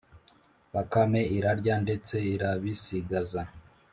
Bakame irarya ndetse irabisigaza